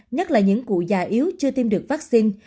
nhất là những cụ già yếu chưa tiêm được vaccine